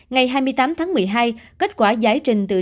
ngày hai mươi tám tháng một mươi hai kết quả giải trình tự ra